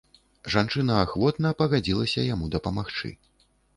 Жанчына ахвотна пагадзілася яму дапамагчы.